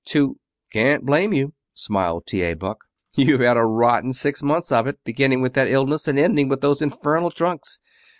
To " "Can't blame you," smiled T. A. Buck. "You've had a rotten six months of it, beginning with that illness and ending with those infernal trunks.